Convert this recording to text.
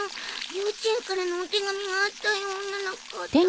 幼稚園からのお手紙があったようななかったような。